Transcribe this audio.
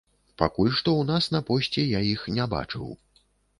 Пакуль што ў нас на посце я іх не бачыў.